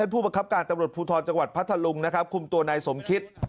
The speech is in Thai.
ผู้ประคับการตามรถภูทอจังหวัดพทะลุงคุมตัวนายสมคิด